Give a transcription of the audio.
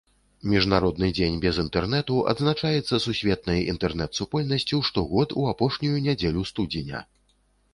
Міжнародны дзень без інтэрнэту адзначаецца сусветнай інтэрнэт-супольнасцю штогод у апошнюю нядзелю студзеня.